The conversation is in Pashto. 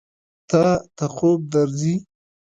تا ته خوب درځي؟